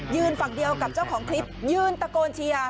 ฝั่งเดียวกับเจ้าของคลิปยืนตะโกนเชียร์